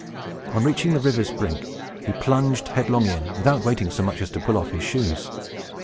On reaching the river's brink, he plunged headlong in, without waiting so much as to pull off his shoes.